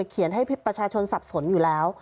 ให้ประชาชนสับสนอยู่แล้ว